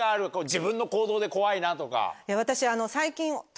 自分の行動で怖いなとか。